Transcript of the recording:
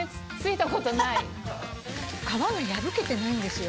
皮が破けてないんですよ。